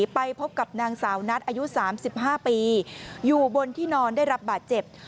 ไปพบกับนางสาวนัทอายุ๓๕ปีอยู่บนที่นอนได้รับบาดเจ็บ